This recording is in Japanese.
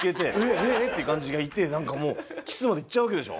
えっ？えっ？って感じが一転なんかもうキスまでいっちゃうわけでしょ？